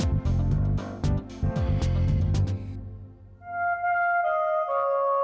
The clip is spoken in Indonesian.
kamu mau bakar rumah saya